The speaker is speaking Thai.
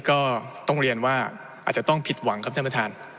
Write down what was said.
ก็ต้องเรียนว่าอาจจะต้องผิดหวังครับท่านประธาน